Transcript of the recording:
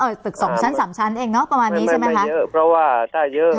ตึกสองชั้นสามชั้นเองเนอะประมาณนี้ใช่ไหมคะเยอะเพราะว่าถ้าเยอะ